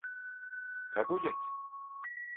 Kabul et.